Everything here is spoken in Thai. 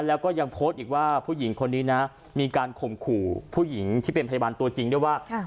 แล้วก็ยังโพสต์อีกว่าผู้หญิงคนนี้นะมีการข่มขู่ผู้หญิงที่เป็นพยาบาลตัวจริงด้วยว่า